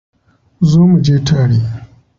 Zo mu je tare.